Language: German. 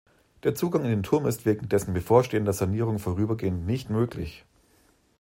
Der Zugang in den Turm ist wegen dessen bevorstehender Sanierung vorübergehend nicht möglich.